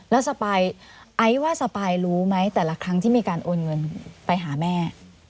แล้วสปายไอ้ว่าสปายรู้ไหมแต่ละครั้งที่มีการโอนเงินไปหาแม่